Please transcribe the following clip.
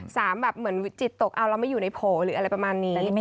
แบบเหมือนวิจิตตกเอาแล้วไม่อยู่ในโผล่หรืออะไรประมาณนี้